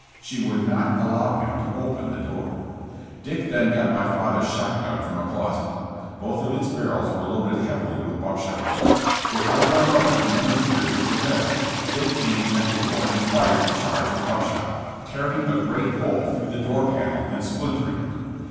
She would not allow him to open the door. Dick then got my father's shot gun from a closet. Both of its barrels were loaded heavily with buckshot. Before my mother could interfere to prevent it, Dick aimed at the door and fired the charge of buckshot, tearing a great hole through the door panel and splintering it.